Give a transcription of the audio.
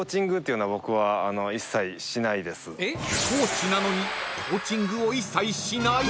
［コーチなのにコーチングを一切しない！？］